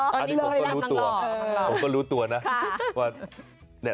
ผมก็รู้ตัวนะ